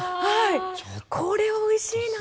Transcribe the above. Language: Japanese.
これおいしいな。